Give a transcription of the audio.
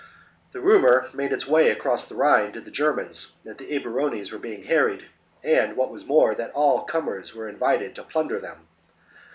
The rumour made its way across the Rhine to the Germans that the Eburones were being harried, and, what was more, that all comers were invited to plunder them.